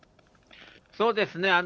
そうですね。